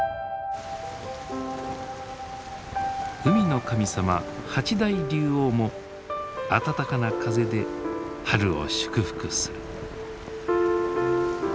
海の神様八大龍王も暖かな風で春を祝福する。